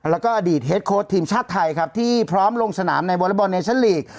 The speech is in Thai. แล้วก็อดีตเฮดโค้ดทีมชาติไทยครับที่พร้อมลงสนามในวอเล็กบอลเนชั่นลีก